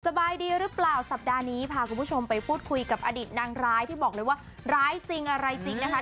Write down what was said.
สบายดีหรือเปล่าสัปดาห์นี้พาคุณผู้ชมไปพูดคุยกับอดีตนางร้ายที่บอกเลยว่าร้ายจริงอะไรจริงนะคะ